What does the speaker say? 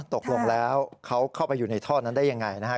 ตกลงแล้วเขาเข้าไปอยู่ในท่อนั้นได้ยังไงนะฮะ